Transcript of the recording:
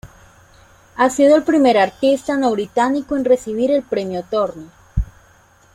Ha sido el primer artista no británico en recibir el premio Turner.